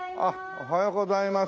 おはようございます。